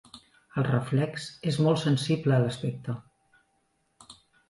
El reflex és molt sensible a l'aspecte.